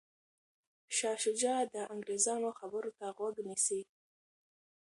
شاه شجاع د انګریزانو خبرو ته غوږ نیسي.